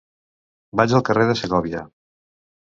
Vaig al carrer de Segòvia.